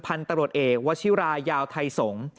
พันธุ์ตำรวจเอกวชิรายาวไทยสงศ์